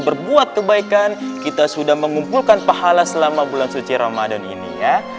berbuat kebaikan kita sudah mengumpulkan pahala selama bulan suci ramadan ini ya